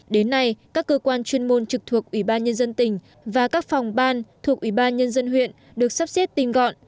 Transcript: đến nay các cơ quan chuyên môn trực thuộc ủy ban nhân dân tỉnh và các phòng ban thuộc ủy ban nhân dân huyện được sắp xếp tinh gọn